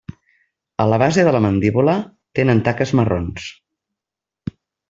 A la base de la mandíbula tenen taques marrons.